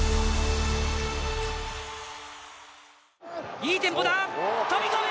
いいテンポだ飛び込む！